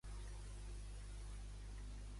Catalunya sud també és Catalunya